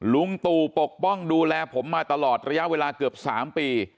ลุงตู่ปกป้องดูแลผมมาตลอดระยะเวลาเกือบ๓ปี